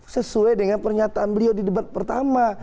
sesuai dengan pernyataan beliau di debat pertama